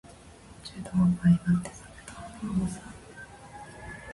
中途半端になって避けたあの青さ